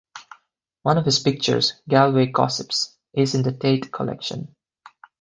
One of his pictures, "Galway Gossips," is in the Tate collection.